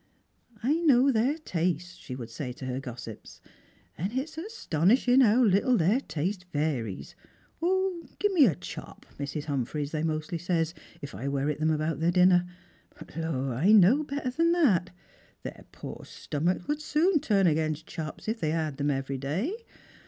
" I know their tastes," she would say to her gossips, " and 24 Strangers and Pilgrims. it's astonishing how little their tastes varies. *0, give me a chop, Mrs. Humphreys,' they mostly says, if I werrifc then? about their dinner. But, lor, I know better than that. Their poor stomachs would soon turn against chops if they had thera every day.